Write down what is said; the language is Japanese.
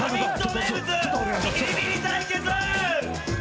名物ビリビリ対決！！